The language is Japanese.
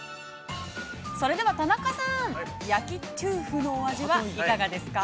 ◆それでは田中さん、焼きトゥーフのお味はいかがですか。